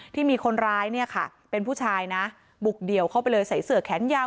ที่มีคนร้ายเนี่ยค่ะเป็นผู้ชายนะบุกเดี่ยวเข้าไปเลยใส่เสือแขนยาว